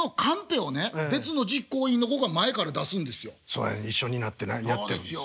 そうやねん一緒になってやってるんですよ。